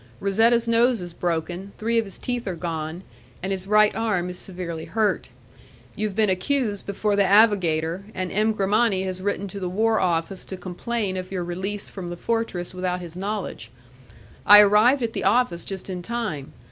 Razetta's nose is broken, three of his teeth are gone, and his right arm is severely hurt. You have been accused before the avogador, and M. Grimani has written to the war office to complain of your release from the fortress without his knowledge. I arrived at the office just in time.